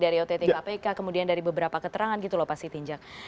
dari ott kpk kemudian dari beberapa keterangan gitu loh pak sitinjak